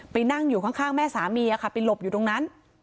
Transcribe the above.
ไปนั่งอยู่ข้างแม่สามีไปหลบอยู่ตรงนั้น